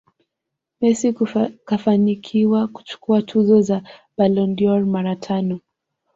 Messi kafanikiwa kuchukua tuzo za Ballon dâOr mara tano